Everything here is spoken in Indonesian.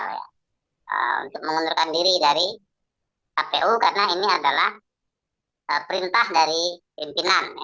untuk mengundurkan diri dari kpu karena ini adalah perintah dari pimpinan